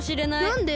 なんで？